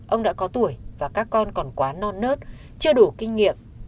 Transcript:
ông đã có tuổi và các con còn quá non nớt chưa đủ kinh nghiệm